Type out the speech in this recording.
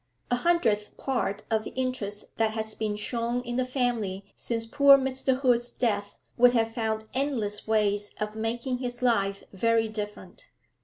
A hundredth part of the interest that has been shown in the family since poor Mr. Hood's death would have found endless ways of making his life very different.